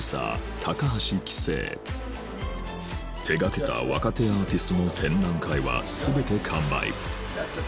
手掛けた若手アーティストの展覧会は全て完売